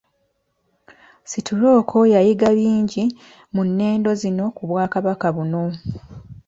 Sturrock yayiga bingi mu nnendo zino ku Bwakabaka buno.